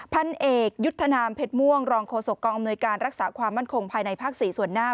พันเอกยุทธนามเพชรม่วงรองโฆษกองอำนวยการรักษาความมั่นคงภายในภาค๔ส่วนหน้า